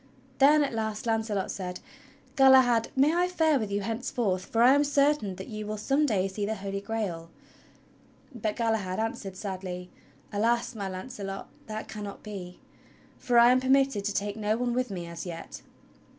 Then at last Launce ot said: "Galahad, may I fare with you henceforth, for I am certain that you will some day see the Holy Grail.?" But Galahad answered sadly: "Alas! my Launcelot, that cannot be, for I am permitted to take no one with me as yet."